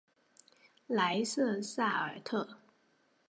莱瑟萨尔特。